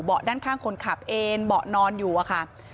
ด้านข้างคนขับเอ็นเบาะนอนอยู่อะค่ะ